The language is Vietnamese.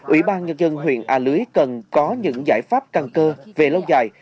ủy ban nhật dân huyện a lưới cần có những giải pháp căng cơ về lâu dài